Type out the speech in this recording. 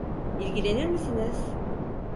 İlgilenir misiniz?